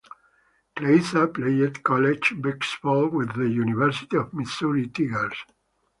Kleiza played college basketball with the University of Missouri Tigers.